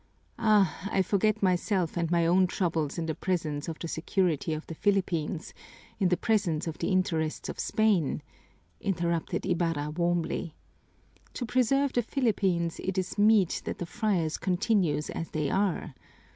"Ah, I forget myself and my own troubles in the presence of the security of the Philippines, in the presence of the interests of Spain!" interrupted Ibarra warmly. "To preserve the Philippines it is meet that the friars continue as they are.